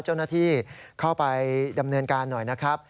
เจ้าหน้าที่เข้าไปดำเนินการหน่อยนะครับ